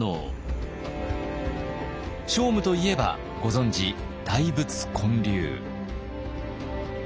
聖武といえばご存じ大仏建立。